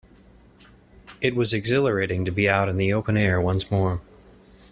It was exhilarating to be out in the open air once more.